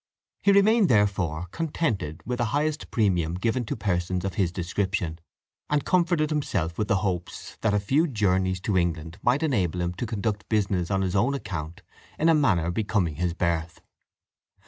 He remained, therefore, contented with the highest premium given to persons of his description, and comforted himself with the hopes that a few journeys to England might enable him to conduct business on his own account in a manner becoming his birth.